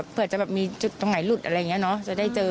เผื่อจะแบบมีจุดตรงไหนหลุดอะไรอย่างนี้เนอะจะได้เจอ